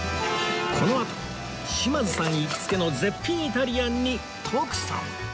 このあと島津さん行きつけの絶品イタリアンに徳さん